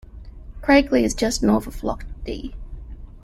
Craiglee is just north of Loch Dee.